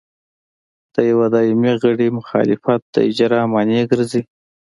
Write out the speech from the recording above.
د یوه دایمي غړي مخالفت د اجرا مانع ګرځي.